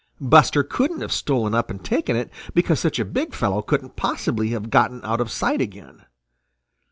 Buster couldn't have stolen up and taken it, because such a big fellow couldn't possibly have gotten out of sight again.